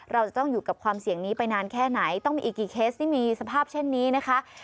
เราจะต้องอยู่กับความเสี่ยงนี้ไปนานแค่ไหนต้องมีอีกกี่เคสที่มีสภาพเช่นนี้นะคะ